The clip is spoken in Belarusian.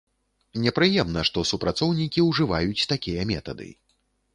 Непрыемна, што супрацоўнікі ўжываюць такія метады.